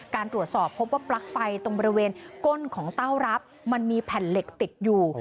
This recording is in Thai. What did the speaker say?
การตรวจสอบพบว่าปลั๊กไฟตรงบริเวณก้นของเต้ารับมันมีแผ่นเหล็กติดอยู่